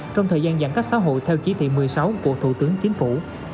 trong thời gian giãn cách xã hội theo chỉ thị một mươi sáu của thủ tướng chính phủ